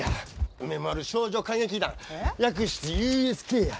梅丸少女歌劇団略してＵＳＫや。